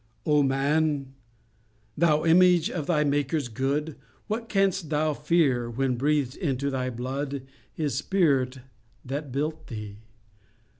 "O man! thou image of thy Maker's good, What canst thou fear, when breathed into thy blood His Spirit is that built thee?